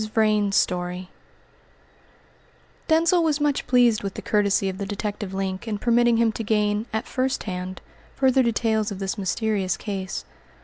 VRAIN'S STORY Denzil was much pleased with the courtesy of the detective Link in permitting him to gain, at first hand, further details of this mysterious case.